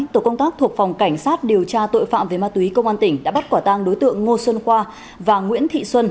tổ công tác thuộc phòng cảnh sát điều tra tội phạm về ma túy công an tỉnh đã bắt quả tang đối tượng ngô xuân khoa và nguyễn thị xuân